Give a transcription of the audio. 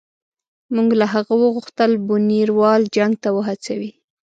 موږ له هغه وغوښتل بونیروال جنګ ته وهڅوي.